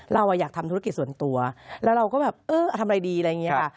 เราอยากทำธุรกิจส่วนตัวแล้วเราก็แบบเออทำอะไรดีอะไรอย่างนี้ค่ะ